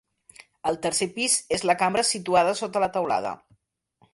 El tercer pis és la cambra, situada sota la teulada.